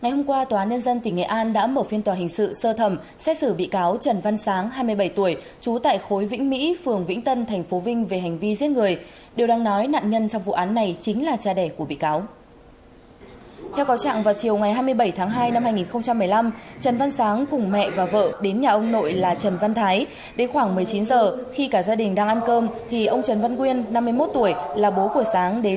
hãy đăng ký kênh để ủng hộ kênh của chúng mình nhé